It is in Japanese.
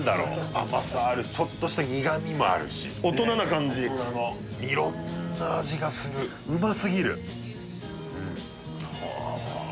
甘さあるちょっとした苦みもあるし大人な感じ大人の色んな味がするうますぎるうんほおあっ